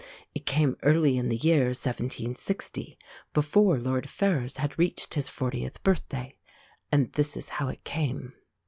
It came early in the year 1760, before Lord Ferrers had reached his fortieth birthday. And this is how it came.